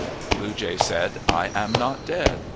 Blue Jay said, " I am not dead.